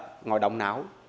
mọi người sẽ ngồi động não